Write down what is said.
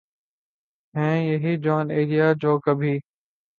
ہیں یہی جونؔ ایلیا جو کبھی